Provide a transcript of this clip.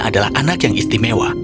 adalah anak yang istimewa